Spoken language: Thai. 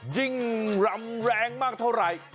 ยิ่งรำแรงมากเท่าไร